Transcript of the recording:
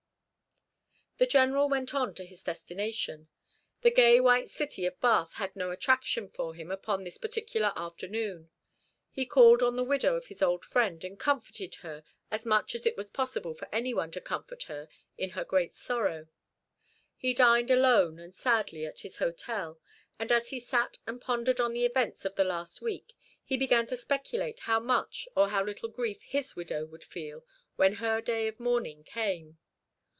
The General went on to his destination. The gay white city of Bath had no attraction for him upon this particular afternoon. He called on the widow of his old friend, and comforted her as much as it was possible for any one to comfort her in her great sorrow. He dined alone and sadly at his hotel; and as he sat and pondered on the events of the last week, he began to speculate how much or how little grief his widow would feel when her day of mourning came.